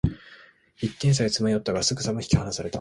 一点差へと詰め寄ったが、すぐさま引き離された